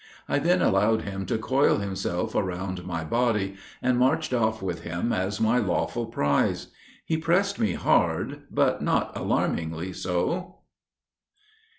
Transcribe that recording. I then allowed him to coil himself around my body and marched off with him as my lawful prize. He pressed me hard, but not alarmingly so.